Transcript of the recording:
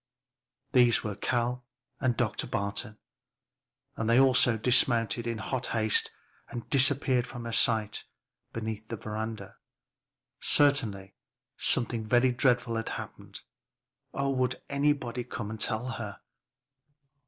These were Cal and Dr. Barton, and they also dismounted in hot haste and disappeared from her sight beneath the veranda. Certainly something very dreadful had happened. Oh would nobody come to tell her!